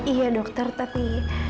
iya dokter tapi